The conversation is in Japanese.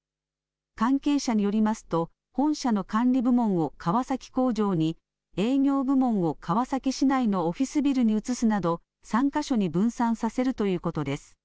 関係者によりますと本社の管理部門を川崎工場に、営業部門を川崎市内のオフィスビルに移すなど３か所に分散させるということです。